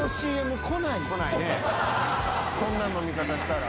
そんな飲み方したら。